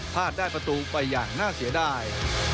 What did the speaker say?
ได้ประตูไปอย่างน่าเสียดาย